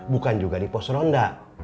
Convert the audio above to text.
bukan juga di pos ronda